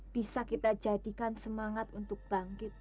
bisa kita jadikan semangat untuk bangkit